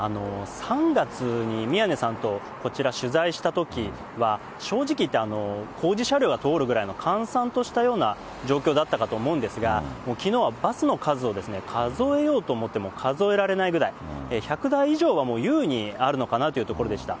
３月に宮根さんとこちら取材したときは正直いって、工事車両が通るくらいの閑散としたような状況だったかと思うんですが、きのうはバスの数を数えようと思っても数えられないぐらい、１００台以上はもう優にあるのかなというところでした。